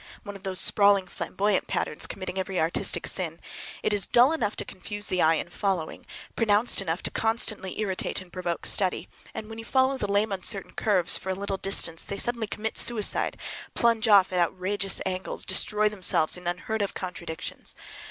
One of those sprawling flamboyant patterns committing every artistic sin. It is dull enough to confuse the eye in following, pronounced enough to constantly irritate, and provoke study, and when you follow the lame, uncertain curves for a little distance they suddenly commit suicide—plunge off at outrageous angles, destroy themselves in unheard of contradictions.